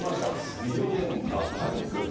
医療現場パニック。